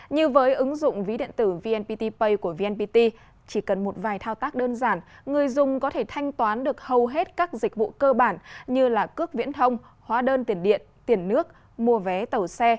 như với ứng dụng ví điện tử vnpt pay của vnpt chỉ cần một vài thao tác đơn giản người dùng có thể thanh toán được hầu hết các dịch vụ cơ bản như là cước viễn thông hóa đơn tiền điện tiền nước mua vé tàu xe